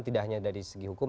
tidak hanya dari segi hukum